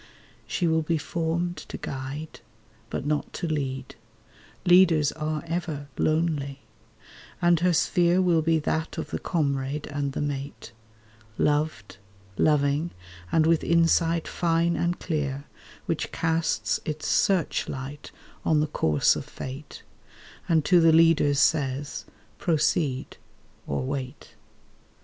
She will be formed to guide, but not to lead— Leaders are ever lonely—and her sphere Will be that of the comrade and the mate, Loved, loving, and with insight fine and clear, Which casts its searchlight on the course of fate, And to the leaders says, 'Proceed' or 'Wait.